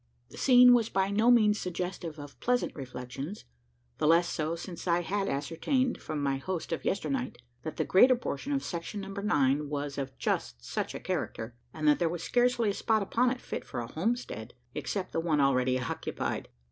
The scene was by no means suggestive of pleasant reflections the less so, since I had ascertained, from my host of yesternight, that the greater portion of Section Number 9 was of just such a character; and that there was scarcely a spot upon it fit for a "homestead," except the one already occupied!